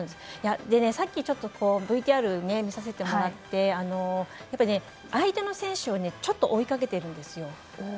さっき、ちょっとＶＴＲ見させてもらって相手の選手をちょっと追いかけているんですよ。